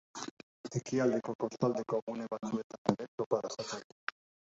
Ekialdeko kostaldeko gune batzuetan ere topa dezakegu.